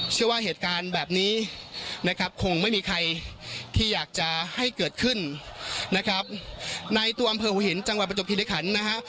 เชื่อว่าเหตุการณ์แบบนี้นะครับคงไม่มีใครที่อยากจะให้เกิดขึ้นนะครับในตัวอำเภอหัวหินจังหวัดประจบภิริคันนะฮะ